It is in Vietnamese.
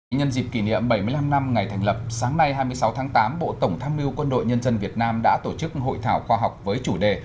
nhân dịp kỷ niệm bảy mươi năm năm ngày thành lập sáng nay hai mươi sáu tháng tám bộ tổng tham mưu quân đội nhân dân việt nam đã tổ chức hội thảo khoa học với chủ đề